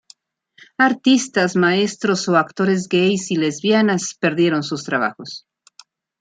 Artistas, maestros o actores gais y lesbianas perdieron sus trabajos.